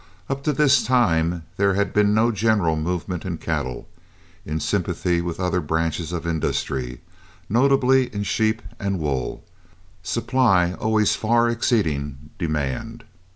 Up to this time there had been no general movement in cattle, in sympathy with other branches of industry, notably in sheep and wool, supply always far exceeding demand.